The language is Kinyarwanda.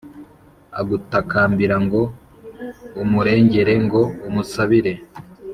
agutakambira ngo umurengere ngo umusabire